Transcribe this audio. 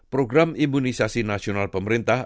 program imunisasi nasional pemerintah